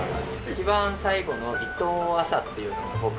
一番最後の伊藤浅っていうのが僕です。